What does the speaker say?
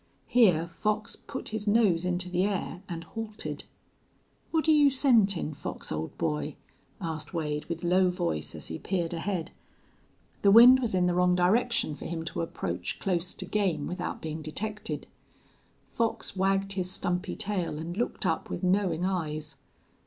Here Fox put his nose into the air and halted. "What're you scentin', Fox, old boy?" asked Wade, with low voice, as he peered ahead. The wind was in the wrong direction for him to approach close to game without being detected. Fox wagged his stumpy tail and looked up with knowing eyes.